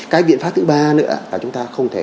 cái biện pháp thứ ba nữa là chúng ta không thể